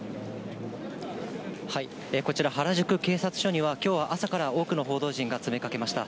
こちら原宿警察署には、きょう朝から多くの報道陣が詰めかけました。